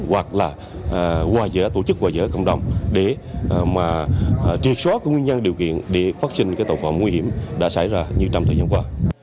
hoặc là tổ chức qua giữa cộng đồng để mà triệt xóa cái nguyên nhân điều kiện để phát sinh cái tàu phạm nguy hiểm đã xảy ra như trong thời gian qua